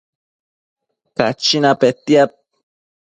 Cachina petiad